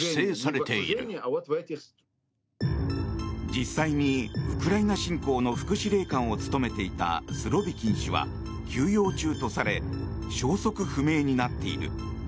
実際に、ウクライナ侵攻の副司令官を務めていたスロビキン氏は休養中とされ消息不明になっている。